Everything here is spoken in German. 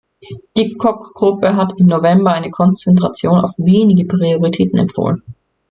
Die Kok-Gruppe hat im November eine Konzentration auf wenige Prioritäten empfohlen.